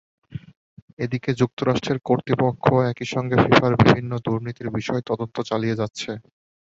এদিকে যুক্তরাষ্ট্রের কর্তৃপক্ষও একই সঙ্গে ফিফার বিভিন্ন দুর্নীতির বিষয়ে তদন্ত চালিয়ে যাচ্ছে।